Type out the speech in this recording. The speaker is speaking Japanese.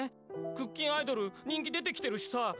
「クッキンアイドル」にんきでてきてるしさ。